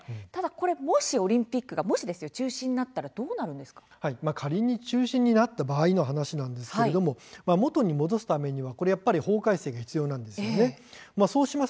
もしオリンピックが中止になったら仮に中止になった場合の話なんですが元に戻すためには法改正が必要なんです。